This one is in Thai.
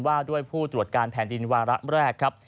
ว่าด้วยผู้ตรวจการแผ่นดินวาระแรกครับ